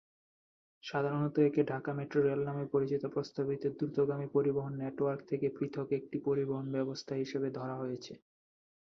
সাধারণত একে Dhaka metro rail নামে পরিচিত প্রস্তাবিত দ্রুতগামী গণপরিবহন নেটওয়ার্ক থেকে পৃথক একটি পরিবহন ব্যবস্থা হিসেবে ধরা হয়েছে।